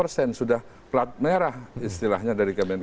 sudah plat merah istilahnya dari kemenke